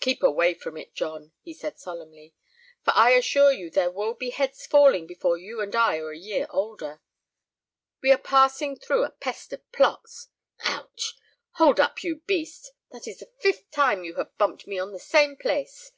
"Keep away from it, John," he said, solemnly; "for I assure you there will be heads falling before you and I are a year older. We are passing through a pest of plots—ouch!—hold up, you beast, that is the fifth time you have bumped me on the same place!